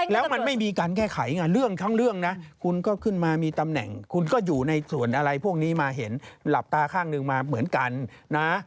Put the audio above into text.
แล้วมันไม่มีการแก้ไขไงเรื่องทั้งเรื่องนะคุณก็ขึ้นมามีตำแหน่งคุณก็อยู่ในส่วนอะไรพวกนี้มาเห็นหลับตาข้างหนึ่งมาเหมือนกันนะ